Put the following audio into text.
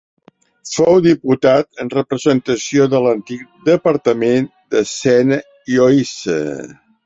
Fou diputat en representació de l'antic departament de Sena i Oise.